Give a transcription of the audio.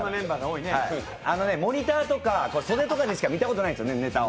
モニターとかでしか見たことないんですよね、ネタを。